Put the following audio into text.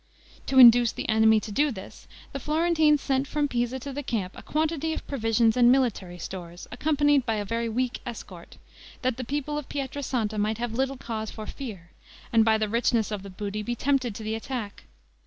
To induce the enemy to do this, the Florentines sent from Pisa to the camp a quantity of provisions and military stores, accompanied by a very weak escort; that the people of Pietra Santa might have little cause for fear, and by the richness of the booty be tempted to the attack.